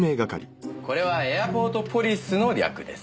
これはエアポートポリスの略です。